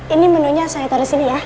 ini menunya saya taruh disini ya